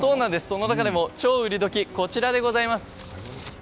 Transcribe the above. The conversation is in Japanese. その中でも超売りドキはこちらでございます。